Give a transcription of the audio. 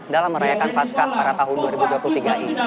dalam merayakan pasca pada tahun dua ribu dua puluh tiga ini